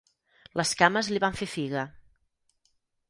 Les cames li van fer figa.